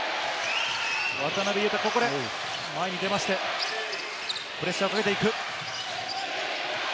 渡邊雄太、ここで前に出まして、プレッシャーをかけていく。